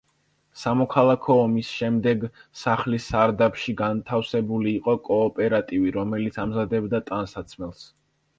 სამოქალაქო ომის შემდეგ სახლის სარდაფში განტავსებული იყო კოოპერატივი, რომელიც ამზადებდა ტანსაცმელს.